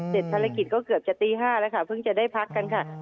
ภารกิจก็เกือบจะตี๕แล้วค่ะเพิ่งจะได้พักกันค่ะ